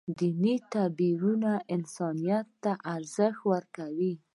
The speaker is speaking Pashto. دیني تعبیر انسانیت ته ارزښت ورکوي.